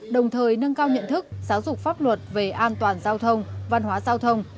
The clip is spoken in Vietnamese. đồng thời nâng cao nhận thức giáo dục pháp luật về an toàn giao thông văn hóa giao thông